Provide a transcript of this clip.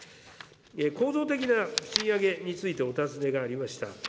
構造的な賃上げについてお尋ねがありました。